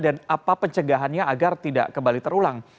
dan apa pencegahannya agar tidak kembali terulang